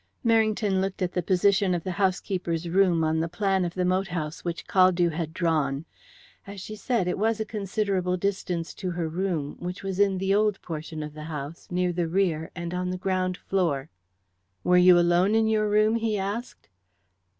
Merrington looked at the position of the housekeeper's room on the plan of the moat house which Caldew had drawn. As she said, it was a considerable distance to her room, which was in the old portion of the house, near the rear, and on the ground floor. "Were you alone in your room?" he asked.